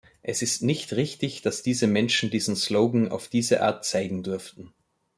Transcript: Es ist nicht richtig, dass diese Menschen diesen Slogan auf diese Art zeigen durften.